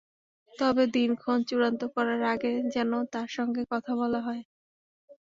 তবে দিনক্ষণ চূড়ান্ত করার আগে যেন তাঁর সঙ্গে কথা বলা হয়।